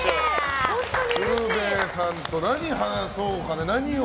鶴瓶さんと何話そうかね。